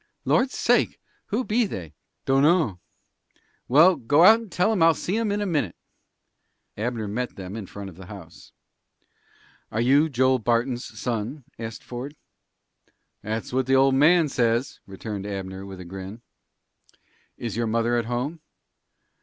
"Lord's sake! Who be they?" "Dunno." "Well, go out and tell 'em I'll see' em in a minute." Abner met them in front of the house. "Are you Joel Barton's son?" asked Ford. "That's what the old man says," returned Abner, with a grin. "Is your mother at home?"